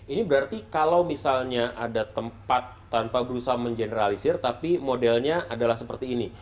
ini berarti kalau misalnya ada tempat tanpa berusaha mengeneralisir tapi modelnya adalah seperti ini